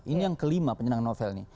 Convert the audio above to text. ini yang kelima penyerang novel nih